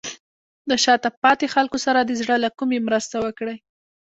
د شاته پاتې خلکو سره د زړه له کومې مرسته وکړئ.